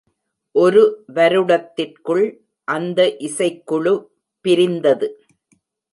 ஒரு வருடத்திற்குள், அந்த இசைக்குழு பிரிந்தது.